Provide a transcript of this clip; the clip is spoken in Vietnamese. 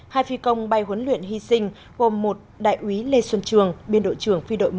hai phi công bay huấn luyện hy sinh gồm một đại úy lê xuân trường biên đội trưởng phi đội một